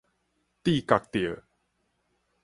智覺著